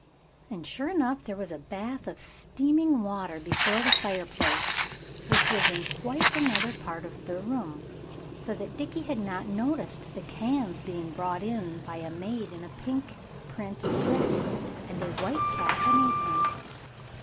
And sure enough there was a bath of steaming water before the fireplace, which was in quite another part of the room, so that Dickie had not noticed the cans being brought in by a maid in a pink print dress and white cap and apron.